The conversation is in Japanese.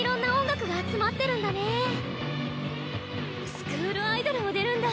スクールアイドルも出るんだ！